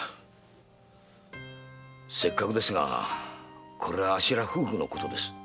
せっかくですがこれはあっしら夫婦のことです。